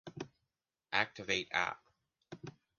Activate app.